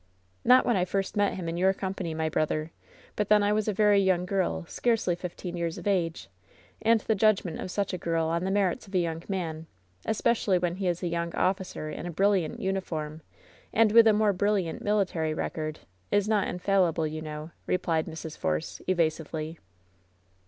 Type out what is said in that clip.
"Not when I first met him in your company, my brother ; but then I was a very young girl, scarcely fif teen years of age, and the judgment of such a girl on the merits of a young man, especially when he is a young officer in a brilliant uniform, and with a more brilliant military record, is not infallible, you know/' replied Mrs. Force, evasively.